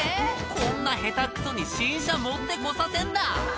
「こんな下手クソに新車持ってこさせんな！」